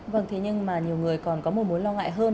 vâng thế nhưng mà nhiều người còn có một mối lo ngại hơn